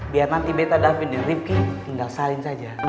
biar nanti betta daven dan rifki tinggal salin saja